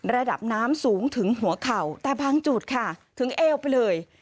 ระดับน้ำสูงถึงหัวเข่าแต่บางจุดค่ะถึงเอวไปเลย